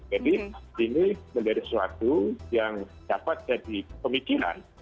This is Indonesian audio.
ini menjadi sesuatu yang dapat jadi pemikiran